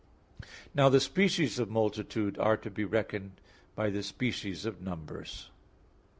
Now the species of multitude are to be reckoned by the species of numbers.